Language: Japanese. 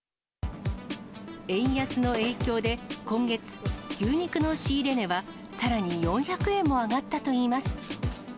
円安の影響で、今月、牛肉の仕入れ値は、さらに４００円も上がったといいます。